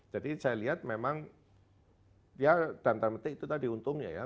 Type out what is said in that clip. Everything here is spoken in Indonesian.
jadi saya lihat memang ya dan terlebih itu tadi untungnya ya